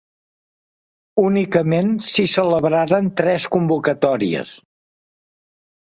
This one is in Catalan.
Únicament s'hi celebraren tres convocatòries.